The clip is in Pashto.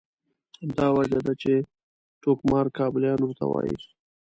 همدا وجه ده چې ټوکمار کابلیان ورته وایي.